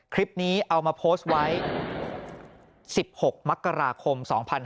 คลิปนี้เอามาโพสต์ไว้๑๖มกราคม๒๕๕๙